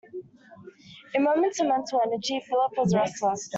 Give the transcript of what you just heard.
In moments of mental energy Philip was restless.